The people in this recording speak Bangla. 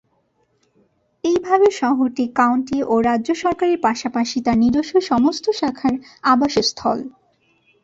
এইভাবে, শহরটি কাউন্টি ও রাজ্য সরকারের পাশাপাশি তার নিজস্ব সমস্ত শাখার আবাসস্থল।